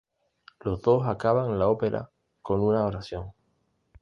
Los dos acaban la ópera con una oración.